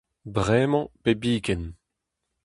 Bremañ pe biken.